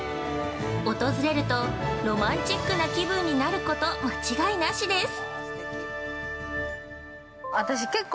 訪れると、ロマンチックな気分になること間違いなしです。